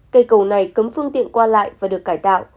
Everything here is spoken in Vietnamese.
cây cầu này cấm phương tiện qua lại và được cải tạo